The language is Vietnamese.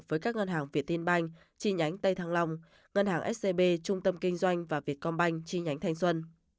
với các ngân hàng việt tiên banh chi nhánh tây thăng long ngân hàng scb trung tâm kinh doanh và việt công banh chi nhánh thanh xuân